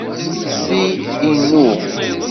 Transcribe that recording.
Ti inu.